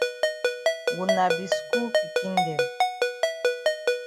Wuna be skul pikin dem.